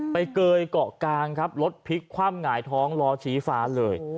เกยเกาะกลางครับรถพลิกคว่ำหงายท้องล้อชี้ฟ้าเลย